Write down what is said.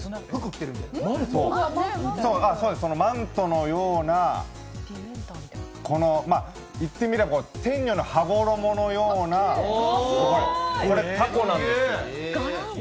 マントのようなこのいってみれば天女の羽衣のようなタコなんですよ。